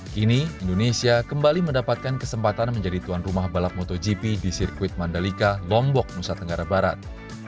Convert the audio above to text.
kini indonesia kembali mendapatkan kesempatan menjadi tuan rumah balap motogp di sirkuit mandalika lombok nusa tenggara barat